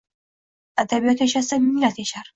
Adabiyot yashasa – millat yashar